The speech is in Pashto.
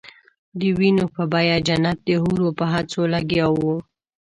د وینو په بیه جنت د حورو په هڅو لګیا وو.